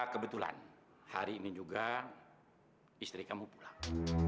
kebetulan hari ini juga istri kamu pulang